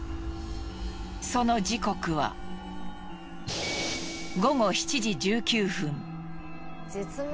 その時刻は午後７時１９分。